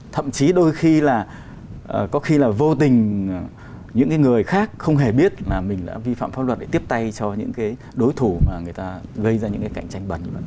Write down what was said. thậm chí đôi khi là có khi là vô tình những người khác không hề biết là mình đã vi phạm pháp luật để tiếp tay cho những cái đối thủ mà người ta gây ra những cái cạnh tranh bẩn